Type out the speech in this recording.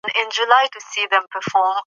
افغانستان کې جواهرات د خلکو د خوښې وړ ځای دی.